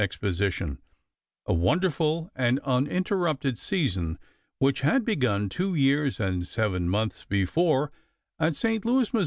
exposition, a wonderful and uninterrupted season which had begun two years and seven months before at St. Louis, Mo.